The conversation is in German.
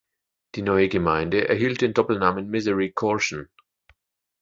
Die neue Gemeinde erhielt den Doppelnamen Misery-Courtion.